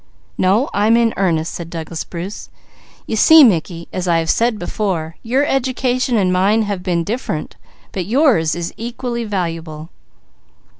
"No, I'm in earnest," said Douglas Bruce. "You see Mickey, as I have said before, your education and mine have been different, but yours is equally valuable."